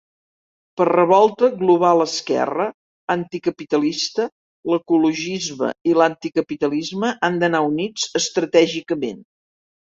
Per Revolta Global-Esquerra Anticapitalista, l'ecologisme i l'anticapitalisme han d'anar units estratègicament.